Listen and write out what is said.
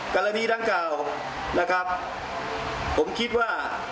กรณีดังกล่าวผมคิดว่า